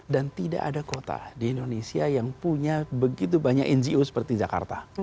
dan tidak ada kota di indonesia yang punya begitu banyak ngo seperti jakarta